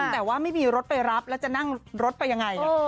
แต่ว่าไม่มีรถไปรับแล้วจะนั่งรถไปยังไง